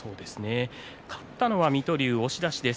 勝ったのは水戸龍押し出しです。